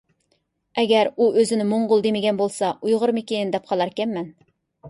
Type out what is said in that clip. ئەگەر ئۇ ئۆزىنى موڭغۇل دېمىگەن بولسا، ئۇيغۇرمىكىن دەپ قالاركەنمەن.